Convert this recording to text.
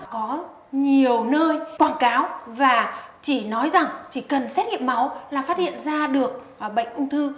có nhiều nơi quảng cáo và chỉ nói rằng chỉ cần xét nghiệm máu là phát hiện ra được bệnh ung thư